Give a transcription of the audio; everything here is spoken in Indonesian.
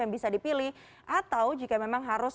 yang bisa dipilih atau jika memang harus